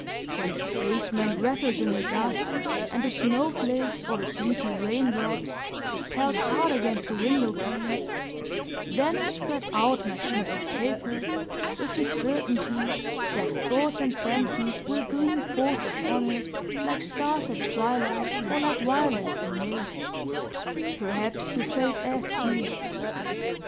When the casement rattles in the gust, and the snow flakes or the sleety raindrops pelt hard against the window panes, then I spread out my sheet of paper, with the certainty that thoughts and fancies will gleam forth upon it, like stars at twilight, or like violets in May, perhaps to fade as soon.